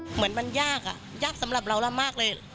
เหมือนมันยากยากสำหรับเรามากเลย